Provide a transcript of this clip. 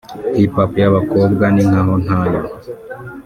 hip hop y’abakobwa ni nkaho ntayo